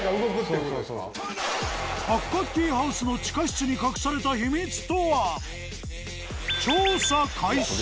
八角形ハウスの地下室に隠された秘密とは！？